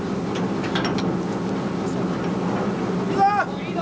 いいぞ！